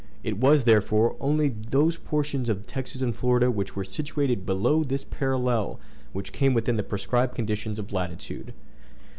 It was, therefore, only those portions of Texas and Florida which were situated below this parallel which came within the prescribed conditions of latitude.